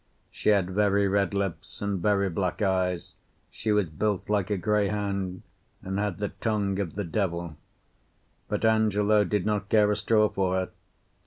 She had very red lips and very black eyes, she was built like a greyhound, and had the tongue of the devil. But Angelo did not care a straw for her.